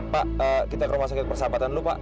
pak kita ke rumah sakit persahabatan dulu pak